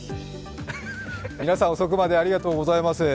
皆さん、遅くまでありがとうございます。